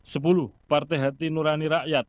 sepuluh partai hati nurani rakyat